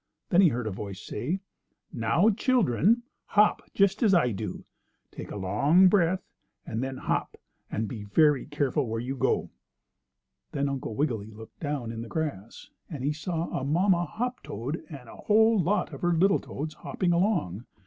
Then he heard a voice say: "Now, children, hop just as I do. Take a long breath and then hop, and be very careful where you go." Then Uncle Wiggily looked down in the grass, and he saw a mamma hoptoad and a whole lot of her little toads hopping along.